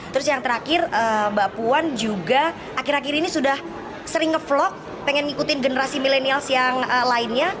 terus yang terakhir mbak puan juga akhir akhir ini sudah sering nge vlog pengen ngikutin generasi milenials yang lainnya